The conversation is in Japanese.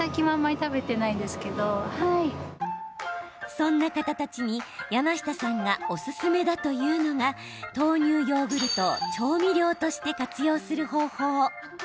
そんな方たちに山下さんがおすすめだというのが豆乳ヨーグルトを調味料として活用する方法。